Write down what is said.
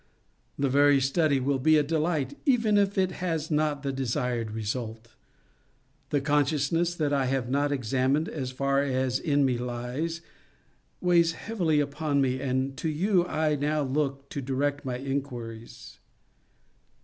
The very study will be a delight, even if it has not the desired result. The consciousness that I have not examined as far as in me lies, weighs heavily upon me, and to you I now look to direct my inquiries.